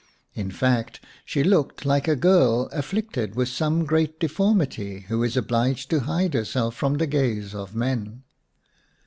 In fact she looked like a girl afflicted with some great deformity, who is obliged to hide herself from the gaze of men.